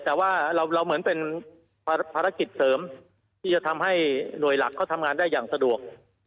แต่ว่าเราเหมือนเป็นภารกิจเสริมที่จะทำให้หน่วยหลักเขาทำงานได้อย่างสะดวก